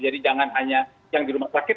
jadi jangan hanya yang di rumah sakit